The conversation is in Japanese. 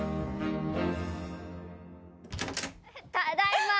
ただいま！